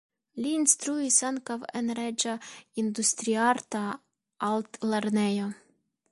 Li instruis ankaŭ en Reĝa Industriarta Altlernejo.